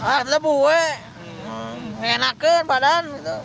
karena buhe menyenangkan badan